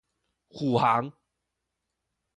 虎航